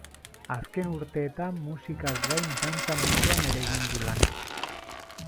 Azken urteetan musikaz gain dantza munduan ere egin du lan.